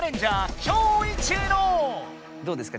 どうですか？